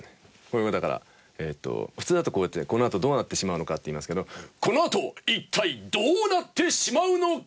これもだから普通だとこうやって「このあとどうなってしまうのか？」って言いますけどこのあと一体どうなってしまうのか！？